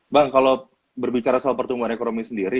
bang kalau berbicara soal pertumbuhan ekonomi sendiri